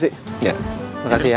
iya terima kasih ya